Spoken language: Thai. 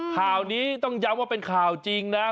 ข่าวนี้ต้องย้ำว่าเป็นข่าวจริงนะ